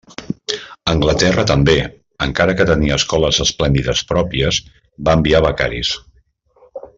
Anglaterra també, encara que tenia escoles esplèndides pròpies, va enviar becaris.